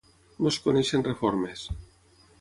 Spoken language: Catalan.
No es coneixen reformes.